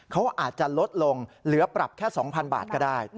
เขาอาจจะลดลงเหลือปรับแค่๒๐๐๐บาทก็ได้